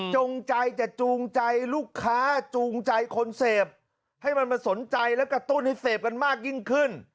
จงใจจะจูงใจลูกค้าจูงใจคนเสพให้มันมาสนใจและกระตุ้นให้เสพกันมากยิ่งขึ้น